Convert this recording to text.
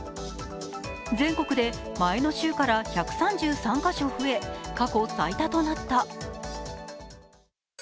全国で前の週から１３３カ所増え、過去最多となった。